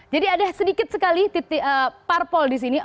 jadi ada sedikit sekali parpol di sini